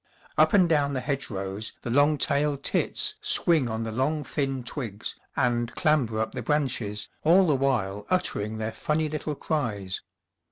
Up and down the hedgerows the long tailed tits swing on the long thin twigs and clamber up the branches, all the no THE ENGLISH COUNTRYSIDE while uttering their funny little cries.